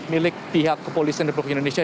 milik pihak kepolisian di provinsi indonesia